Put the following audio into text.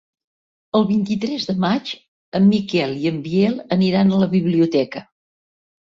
El vint-i-tres de maig en Miquel i en Biel aniran a la biblioteca.